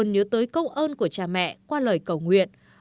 với công ơn của cha mẹ qua lời cầu nguyện